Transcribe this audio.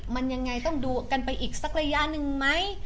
มันยังไงต้องดูกันไปอีกสักระยะหนึ่งไหม